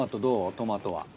トマトは。